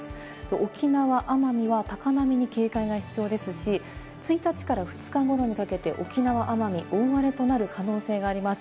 沖縄・奄美は高波に警戒が必要ですし、１日から２日頃にかけて沖縄・奄美、大荒れとなる可能性があります。